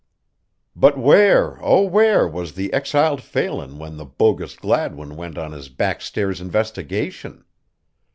But where, oh, where was the exiled Phelan when the bogus Gladwin went on his backstairs investigation?